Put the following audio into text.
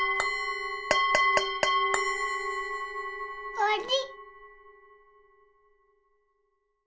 おわり！